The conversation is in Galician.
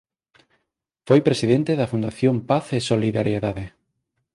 Foi presidente da Fundación Paz e Solidariedade.